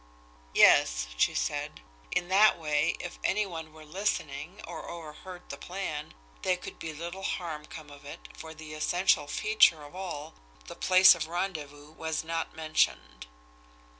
"Yes," she said. "In that way, if any one were listening, or overhead the plan, there could be little harm come of it, for the essential feature of all, the place of rendezvous, was not mentioned.